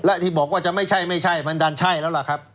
และที่บอกว่าจะไม่ใช่ไม่ใช่มันดันใช่แล้วล่ะครับ